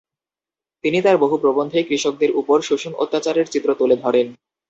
তিনি তার বহু প্রবন্ধে কৃষকদের উপর শোষণ অত্যাচারের চিত্র তুলে ধরেন।